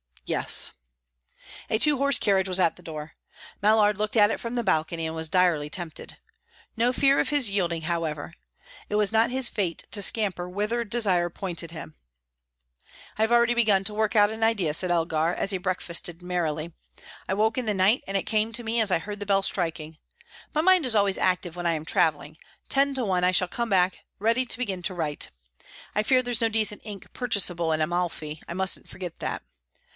"Yes." A two horse carriage was at the door. Mallard looked at it from the balcony, and was direly tempted. No fear of his yielding, however, It was not his fate to scamper whither desire pointed him. "I have already begun to work out an idea," said Elgar, as he breakfasted merrily. "I woke in the night, and it came to me as I heard the bell striking. My mind is always active when I am travelling; ten to one I shall come back ready to begin to write. I fear there's no decent ink purchasable in Amalfi; I mustn't forget that.